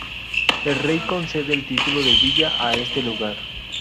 El rey concede el título de villa a este lugar.